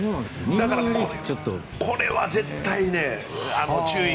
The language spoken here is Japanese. だから、これは絶対に注意。